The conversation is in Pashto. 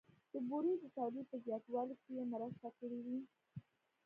د بورې د تولید په زیاتوالي کې یې مرسته کړې وي